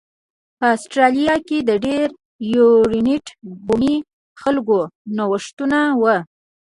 په اسټرالیا کې د یر یورونټ بومي خلکو نوښتونه و